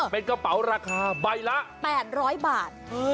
เป็นกระเป๋าราคาใบละ๘๐๐บาท